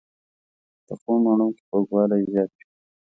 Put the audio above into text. پخو مڼو کې خوږوالی زیات وي